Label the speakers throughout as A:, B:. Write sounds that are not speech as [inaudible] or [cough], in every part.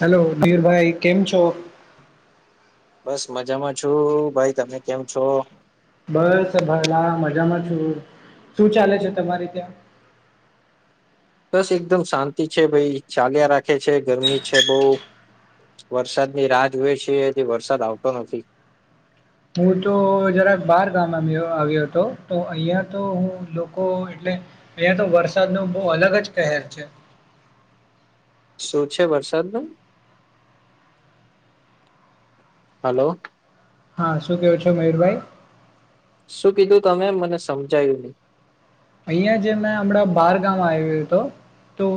A: Hello વીરભાઈ કેમ છો?
B: બસ મજામાં છું ભાઈ તમે કેમ છો?
A: બસ ભલા મજામાં છું, શું ચાલે છે, તમારી ત્યાં [inaudible]
B: બસ એકદમ શાંતિ છે, ભાઈ ચાલ્યા રાખે છે, ગરમી છે, બઉ વરસાદની રાહ જોવે છીએ વરસાદ આવતો નથી
A: હું તો જરા બાર ગામ આવ્યો આવ્યો હતો તો અહિયાં તો હું લોકો એટલે અહિયાં તો વરસાદ ન બહ અલગ જ કહેર છે.
B: શું છે વરસાદનું હલો.
A: હા શું કેવો છો મયુરભાઈ?
B: શું કીધું તમે મને સમજાયું નહી?
A: અહિયાં જે મેં હમણાં બાર ગામામ આવ્યું હતો તો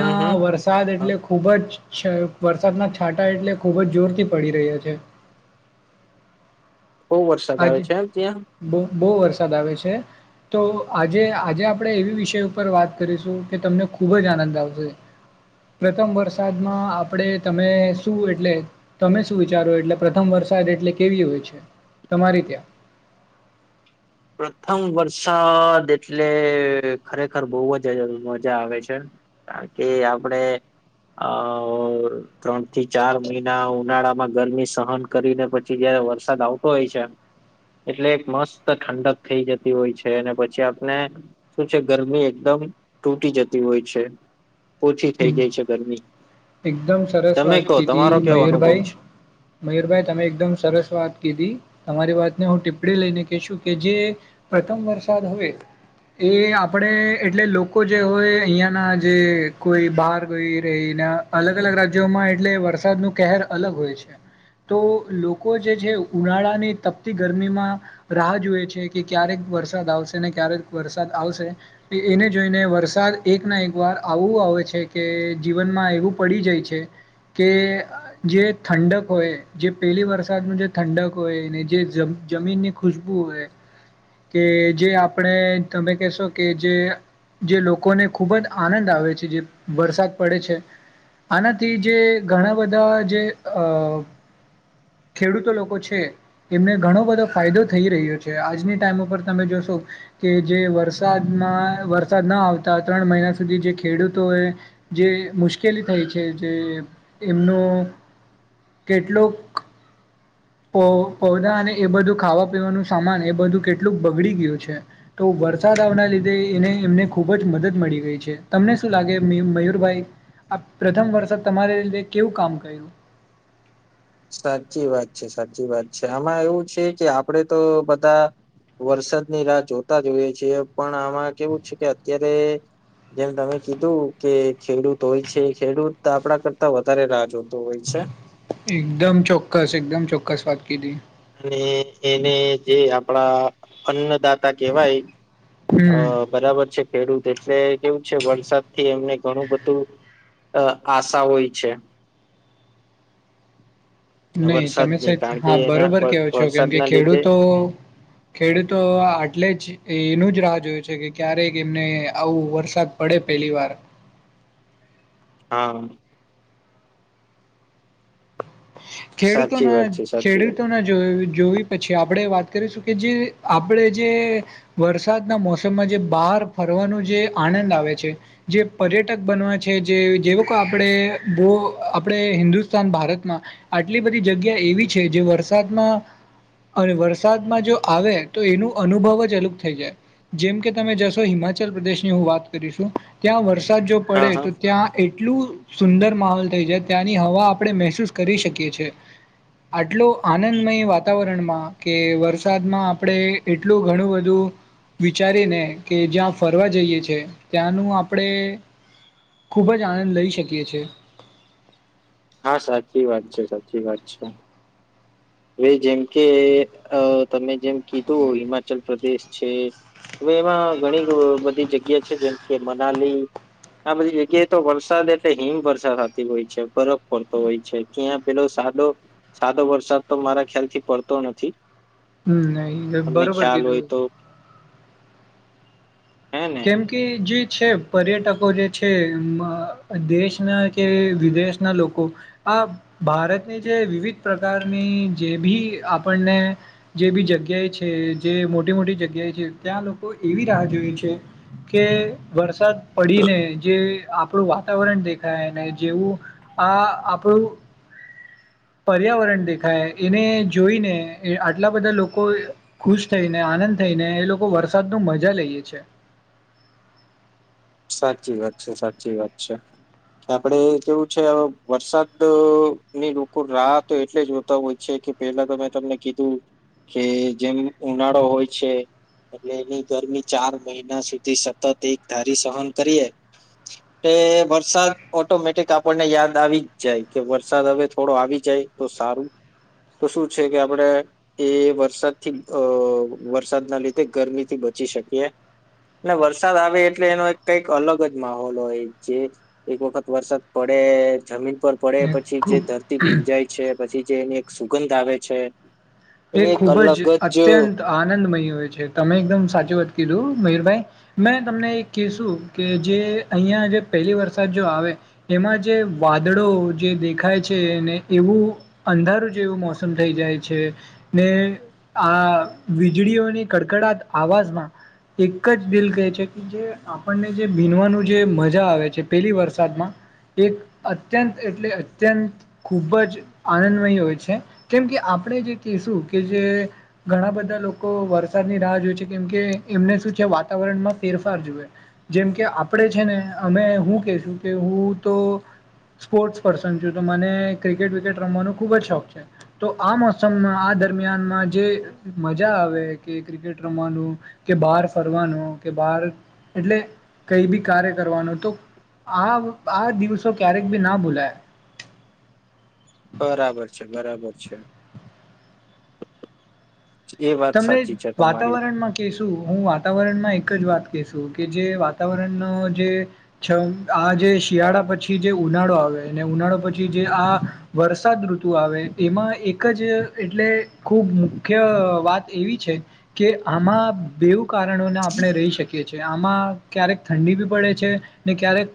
B: હમ હમ
A: વરસાદ
B: હમ
A: એટલે ખૂબ જ વરસાદના છાંટા એટલે ખૂબ જ જોરથી પડી રહ્યા છે.
B: બહુ વરસાદ આવે
A: આજે
B: છે એમ ત્યાં
A: બો બહુ વરસાદ આવે છે. તો આજે આજે આપણે એવી વિષય ઉપર વાત કરીશું કે તમને ખૂબ જ આનંદ આવશે. પ્રથમ વરસાદમાં આપણેે તમે શું એટલે તમે શું વિચારો એટલે પ્રથમ વરસા દ એટલે કેવી હોય છે તમારી ત્યાં
B: પ્રથમ વરસાદ એટલે ખરેખર બવ જ મજા આવે છે. કારણ કે આપણે આ ત્રણ થી ચાર મહિના ઉનાળામાં ગરમી સહન કરીને પછી જયારે વરસાદ આવતો હોય છે એટલે એક મસ્ત ઠંડક થઈ જતી હોય છે અને પછી આપને શું છે ગરમી એકદમ તૂટી જતી હો હોય છે. ઓછી થઈ
A: એક-
B: જાય છે ગરમી.
A: એકદમ સરસ
B: તમે
A: વાત
B: કહો તમારો
A: કીધી
B: કેવો અનુભવ
A: મયુરભાઈ.
B: છે
A: મયુરભાઈ તમે એકદમ સરસ વાત કીધી તમારી વાતને હું ટીપ પડી લઈને કશું કે જે પ્રથમ વરસાદ હવે એ આપણે એટલે લોકો જે હોય અહિયાંના જે કોઈ બહાર કોઈ રહીને અલગ અલગ રાજ્યોમાં એટલે વરસાદ નું કહેર અલગ હોય છે. તો લોકો જે છે ઉનાળાની તપતી ગરમીમાં રાહ જૂએ છે કે ક્યારે વરસાદ આવશે ને ક્યારે વરસાદ આવશે એને જોઈને વરસાદ એક ના એક વાર આવું આવ કે જીવનમાં એવું પડી જાય છે. કે જે ઠંડક હોય જે પેલી વરસાદનું જે ઠંડક હોય એને જે જમીન ની ખુશ્બુ હોય કે જે આપણે તમે કહેશો કે જે જે લોકોને ખૂબ જ આનંદ આવે છે જે વરસાદ પડે છે. આનાથી જે ઘણા બધા જે અ ખેડૂતો લોકો છે એમને ઘણો બધો ફાયદો થઈ રહ્યો છે આજની ટાઈમ ઉપર તમે જો કે જે વરસાદમાં વરસાદ ન આવતા ત્રણ મહિના સુધી જે ખેડૂત એ જે મુશ્કેલી થઈ છે જે એમનો કેટલુંક પો પૌધા અને એ બધું ખાવા પીવાનું સામાન એ બધું કેટલુંક બગડી ગયું છે તો વરસાદ આવના લીધે એને એમને ખુબ જ મદદ મળી ગઈ છે તમને શું લાગે મયું મયુરભાઈ? આ પ્રથમ વર્ષે તમારી લીધે કેવું કામ કર્યું?
B: સાચી વાત છે સાચી વાત છે આમાં એવું છે કે આપડે તો બધા વરસાદની રાહ જોતા જ હોઈએ છિએ પણ આમાં કેવું છે કે અત્યારે જેમ તમે કીધું કે ખેડૂત હોય છે ખેડૂત આપણા કરતા વધારે રાહ જોતો હોય છે.
A: એકદમ ચોક્કસ એકદમ ચોક્કસ વાત કીધી.
B: અને એને જે આપણા અન્નદાતા કેવાય. અ
A: હમ
B: બરાબર છે ખેડૂત એટલે કેવું છે વરસાદ થી એમને ઘણું બધું અ આશા હોય છે.
A: [inaudible] નહી તમે
B: વરસાદની કારણ કે
A: હા
B: એના
A: બરોબર કેવો છો કેમ કે
B: વરસાદના લીધે
A: ખેડૂતો ખેડૂતો આ આટલેજ. એ એનું જ રાહ જોય છે કે ક્યારેક એમને આવું વરસાદ પડે પેલીવાર. [unintelligible] [inaudible]
B: આ [unintelligible] સાચી
A: ખેડૂતોના
B: વાત છે સાચી વાત
A: ખેડૂતોના જોઇ જોવી પછ. છેઆપણે વાત કરીશું કે જે આપણે જે વરસાદના મોસમમાં જે બહાર ફરવા. જે આનંદ આવે છે, જે પર્યટક બનવા છે, જે જે લોકો આપણેે બો. આપણે હિન્દુસ્તાન ભારતમાં આટલી બધી જગ્યા એવી છે જે વરસાદમાં અને વરસાદમાં જો આવે તો એનું અનુભવ જ અલગ થઈ જાય. જેમ કે તમે જશો હિમાચલ પ્રદેશ ની હું વાત કરીશું ત્યાં વરસ. વરસાદ જો પડે
B: હા હા
A: તો ત્યાં એટલું સુંદર માહોલ થઈ જાય ત્યાંની હવા આપણે મહેસૂસ. કરી શકીએ છીએ. આટલો આનંદમય વાતાવરણમાં કે વરસાદમાં આપણે એટલું ઘણું બધું. વિચારી ને કે જ્યાં ફરવા જઈએ છે, ત્યાંનું આપણે ખૂબ જ આનંદ લઈ શકીએ છે.
B: હા સાચી વાત છે સાચી વાત છે. હવે જેમ કે અ તમે જેમ કીધું હિમાચલ પ્રદેશ છે. હવે એમાં ઘણી બધી જગ્યા છે જેમ કે મનાલી આ બધી જગ્યાએ તો વરસાદ એટલે હિમવર્ષા થતી હોય છે બરફ પડતો હોય છે ત્યાં પેલો સાદો સાદો વરસાદ તો મારા ખ્યાલ થી પડતો નથી.
A: હમ, નહી
B: તમને
A: બરોબર
B: ખ્યાલ હોય
A: કીધું.
B: તો. હે ને
A: કેમ કે જે. છે પર્યટકો જે છે દેશના કે વિદેશના લોકો આ ભારતની જે વિવિધ પ્રકારની જે બી આપણને જે બી જગ્યા જગ્યાએ છે જે મોટી મોટી જગ્યાએ છે ત્યાં લોકો એવી રાહ જોઈ છે. કે વરસાદ પડીને જે આપણું વાતાવરણ દેખાય ને જેવું આ આપ પર્યાવરણ દેખાય એને જોઈને આટલા બધા લોકો ખુશ થઈને આનંદ થ નને એ લોકો વરસાદ ન મજા લઈએે છે.
B: સાચી વાત છે સાચી વાત છે. કે આપડે કેવું છે વરસાદ ની લોકો રાહ તો એટલે જોતા હોય છે. કે પેલા તો મેં તમને કીધું કે જેમ ઉનાળો હોય છે. એટલે એની ગરમી ચાર મહિના સુધી સતત એક ધારી સહન કરીએ. એ વરસાદ ઓટોમેટિક આપણને યાદ આવી જ જાય કે વરસાદ હવે થોડો આવી જ જાય તો સારું. તો શું છે કે આપડે એ વરસાદથી અ વરસાદના લીધે ગરમી થી બધ ચી શકીએ વરસાદ આવે એ એટલે એનો એક કઈક અલગ જ માહોલ હોય જે એક વખત વરસાદ પડે જમીન ઉપર પડે
A: ને
B: પછી જે
A: ખૂબ
B: ધરતી ભીંજાય છે પછી જે એની એક સુગંધ આવે છે.
A: એ
B: એની એક
A: ખૂબ જ
B: અલગ
A: અત્યંત આનંદમય તમે એકદમ સાચું વાત કીધું મયરભાઈ મેં તમને એક કશું કે જે અહિયાં ત જે પહેલી વરસાદ જો આવે એમાં જે વાદળો જે દેખાય છે એને એવું અંધારું જેવું મોસમ થઈ જાય છે. ને આ વીજળીઓની કડકડાટ અવાજમાં એક જ દિલ કહે છે કે જે આપણને જે ભીનવાનું જે મજા આવે છે પેલી વરસાદમાં એક અત્યંત એટલે અત્યંત ખૂબ જ આનંદમય હોય છે કેમ કે આપણે જે કે શું કે જે ઘણા બધા લોકો વરસાદની રાહ જોય છે કેમ કે એમને શું છે વાતાવરણ ફેરફાર જુએ જેમ કે આપણે છે ને અમે હું કેશું કે હું તો સ્પોર્ટ્સ પર્સન છું તો મને ક્રિકેટ વિકેટ રમવાનો ખુબ જ શોખ છે તો આ મોષ સ આ દરમિયાનમાં જે મજા આવે કે ક્રિકેટ રમવાનું કે બહાર ફરવાનું કે બાર એટલે કઈબી કાર્ય કરવાનું તો આ આ દિવસો ક્યારેક ભી ના ભૂલાય.
B: બરાબર છે બરાબર છે. એ વાત
A: તમને
B: સાચી છે તમારી
A: વાતાવરણમાં કેશું હું વાતાવરણમાં એક એક જ વાત કેશું કે જે વાતાવરણનો જે છે આ જે શિયાળા પછી જે ઉનાળો આવે અને ઉનાળો પછી જે આ વરસાદ ઋતુ આવે એમાં એક જ એટલે ખૂબ મુખ્ય વાત એવી છે કે આમાં બેવું કારણોને આપણે રહી શકીએ છીએ આમાં ક્યારેક ઠંડી ઠંડી બી પડે છે ને ક્યારેક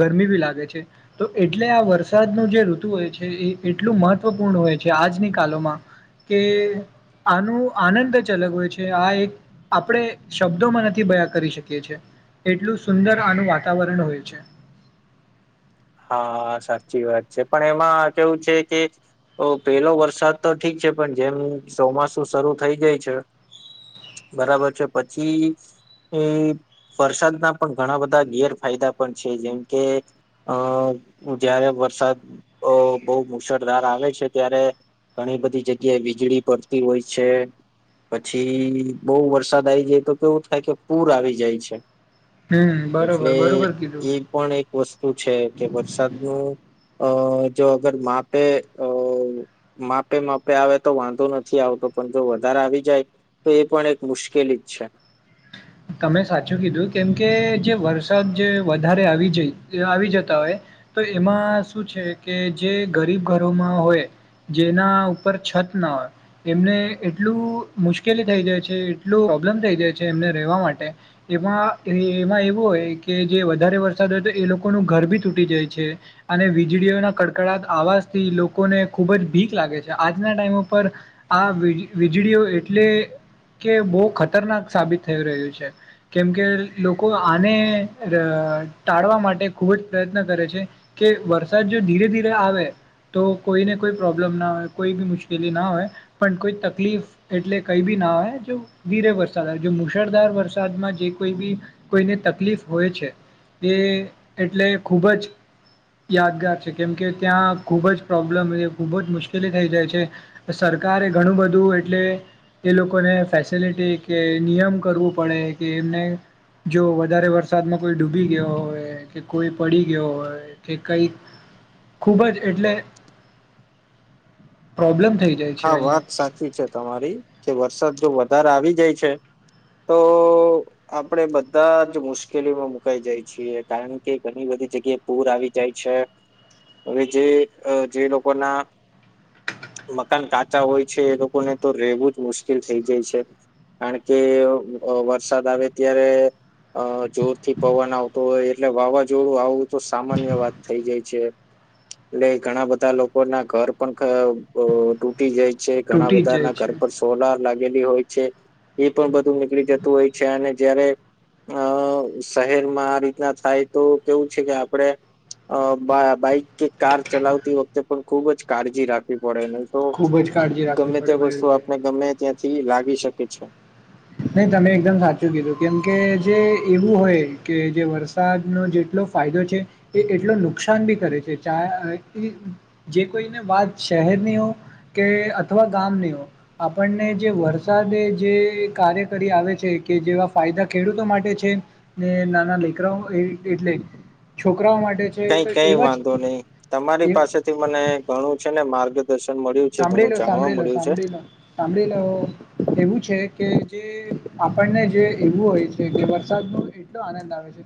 A: ગરમી ભી લાગે છે તો એટલે આ વરસાદ ન જે ઋતુ એ એટલું મહત્વપૂર્ણ હોય છે આજની કાલમાં કે આનું આનંદ જ અલગ હોય છે આ એક આપણે શબ્દોમાં નથી બયા કરી શકીએ છે એટલું સુંદર આનું વાતાવરણ હોય છે.
B: હા સાચી વાત છે પણ એમાં કેવું છે કે પેલો વરસાદ તો ઠીક છે પણ જેમ ચોમાસું શરૂ થઈ જાય છે. બરાબર છે પછી. એ વરસાદના પણ ઘણા બધા ગેરફાયદા પણ છે જેમ કે. અ જ્યારે વરસાદ બહુ મુશળધાર આવે છે ત્યારે ઘણી બધી જગ્યાએ વીજળી પડતી હોય છે. પછી બહુ વરસાદ આવી જાય તો કેવું થાય કે પૂર આવી જાય છે.
A: હમ બરોબર
B: એટલે
A: બરોબર કીધું
B: એ પણ એક વસ્તુ છે કે વરસાદનું. અ જો અગર માપે અ માપે માપે આવે તો વાંધો નથી આવતો પણ જો વધારે આવી જાય તો એ પણ એક મુશ્કેલ કેલી જ છે.
A: [inaudible] તમે સાચું કીધું કેમકે જે વરસાદ જે વધારે આવી જ આવી જતા હોય. તો એમાં શું છે કે જે ગરીબ ઘરોમાં હોય. જેના ઉપર છત ના હોય એમને એટલું મુશ્કેલી થઈ જાય છે એટલું. પ્રોબ્લેમ થઈ જાય છે એ. રેવા માટે એમાં એવું હોય કે જે વધારે વરસાદ હોય તો એ લોકોનું ઘર ભી તૂટી જાય છે અને વીજળીઓના કડકડા આવાજથી લોકોને ખુબ જ બીક લાગે છે આજના ટાઈમ ઉપર આ વીજળીઓ એટલે કે બહુ ખતરનાક સાબિત થઈ રહ્યું છે કેમ કે લોકો આને ટાળવા માટે ખુબ જ પ્રયત્ન કરે છે કે વરસાદ જો ધીરે ધીરે આવે તો કોઈને કોઈ પ્રોબ્લેમ ના હોય કોઈ બી મુશ્કેલી ના હોય પણ કોઈ તકલીફ એટલે કઈ બી ના હ જો ધીરે વરસાદ જો મુશળધાર વરસાદમાં જે કોઈ બી કોઈને તકલીફ હોય છે. એ એટલે ખૂબ જ યાદગાર છે કેમકે ત્યાં ખુબ જ પ્રોબ્લેમ ખુબ જ મુશ્કેલી થઈ જાય છે સર સરકારે ઘણું બધું એટલે એ લોકોને ફેસિલિટી કે નિયમ કરવું પડે કે એમને જો વધારે વરસાદમાં કોઈ ડૂબી ગયો હોય કે કોઈ પડી ગયો હોય કે કઈક ખૂબ જ એટલે પ્રોબ્લેમ થઈ જાય છે
B: હા વાત
A: અહીંયા
B: સાચી છે તમારી કે વરસાદ જો વધારે આવી જાય છે. તો આપડે બધા જ મુશ્કેલીમાં મુકાઈ જાય છીએ કારણ કે ઘણી બધી બધી જગ્યાએ પૂર આવી જાય છે‌ હવે જે જે લોકોના મકાન કાચા હોય છે એ લોકોને તો રહેેવું જ મુશ્કેલ થઈ જાય છે કારણ કે. વરસાદ આવે ત્યારે અ જોરથી પવન આવતો હોય એટલે વાવાઝોડું આવવું તો સામાન્ય વાત થઈ જાય છે. એટલે ઘણા બધા લોકોના ઘર પણ અ તૂટી જાય છે, ઘણા
A: તૂટી જ
B: બધા
A: જાય
B: ના
A: છે.
B: ઘર પર સોલાર લાગે, હોય છે એ પણ બધું નીકળી જતું હોય છે, અને જયારે અ શહેરમાં આ રીતના થાય તો કેવું છે, કે આપડે અ બા બાઈક કે કાર ચલાવતી વખતે પણ ખુબ જ કાળજી રાખ પડે નહી તો
A: ખૂબ જ કાળજી રાખવી
B: ગમે તે
A: પડે
B: વસ્તુ
A: મયુરભાઈ.
B: આપણે ગમે ત્યાંથી લાગી શકે છે.
A: નહી તમે એકદમ સાચું કીધું કેમ કે જે એવું હોય કે જે વરસાદ ન જે એટ ફાયદો છે એ એટલો નુકસાન બી કરે છે ચા જે કોઈને વાત છે. શહેરની હો કે અથવા ગામનીઓ આપણને જે વરસાદે જે કાર્ય કરી આવે છે કે જેવા ફાયદા ખેડૂતો માટે છે ને નાના લેકરાઓ એટલે, છોક
B: કઈ કઈ વાંધો નહી તમારી
A: એ
B: પાસેથી મને ઘણું છે ને માર્ગ
A: સાંભળી લો સાંભળી લો સાંભળી લો સાંભળી લો એવું છે કે જે આપણને જે એવું હોય છે કે વરસાદ ન એટલો આનંદ આવે છે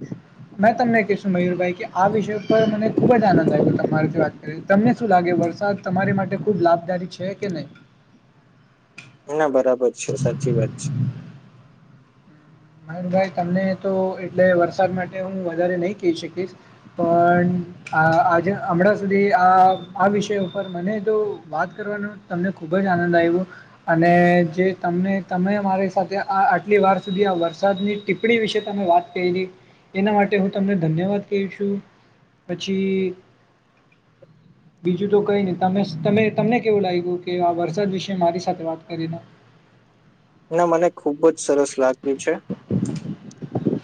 A: મેં તમને કશું મયુરભાઈ કે આ વિષય પર મને ખુબ જ આનંદ આવ તમારે વાત કરી તમને શું લાગે? વરસાદ તમારી માટે ખૂબ લાભદારી છે, કે નહી?
B: ના બરાબર છે સાચી વાત છે,
A: મયનભાઈ તમને તો એટલે વરસાદ માટે હું વધારે નહી કહી શકીશ પણ આજે હમણાં સુધી આ આ વિષય ઉપર મને તો વાત કરવાનું તમને ખૂબ જ આનંદ આવ્યો અને જે તમને તમે મારી સાથે આ આટલી વાર સુધી આ વર્ષ વરસાદની ટીપ્પણી વિશે તમે વાત કરીલી એના માટે હું તમને ધન્યવાદ કહી છું. પછી બીજું તો કઈ નહી તમને કેવું લાગ્યું કે આ વરસાદ વિશે મારી સાથે વાત કરીને, [unintelligible]
B: ના મને ખૂબ જ સરસ લાગ્યું છે,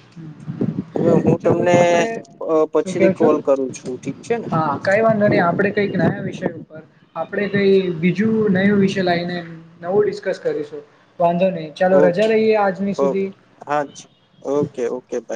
A: હમ્મ
B: હવે હું
A: ચાલ
B: તમને
A: આપણે
B: અ
A: શું કેવ
B: પછીથી
A: છું
B: કોલ કરું છું ઠીક છે ને
A: હા કઈ વાધો નય આપડે કઈક નયા વિષય ઉપર આપડે કઈ બીજું નયું વિષય લઈને નવું ડિસ્કસ કરી. વાંધો નહી ચાલો રજા
B: ઓકે
A: રહીએ આજની
B: ઓકે
A: સુધી,
B: હા જી ઓકે ઓકે બાય